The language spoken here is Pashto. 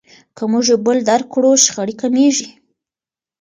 که موږ یو بل درک کړو شخړې کمیږي.